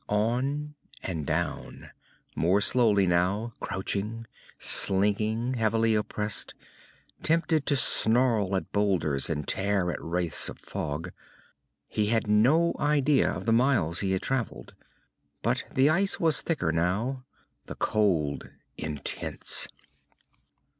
On and down, more slowly now, crouching, slinking, heavily oppressed, tempted to snarl at boulders and tear at wraiths of fog. He had no idea of the miles he had travelled. But the ice was thicker now, the cold intense.